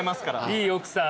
いい奥さん？